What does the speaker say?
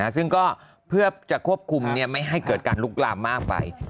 ซึ่งก็เพื่อจะควบคุมไม่ให้เกิดการลุกลามมากไป